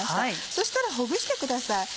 そしたらほぐしてください。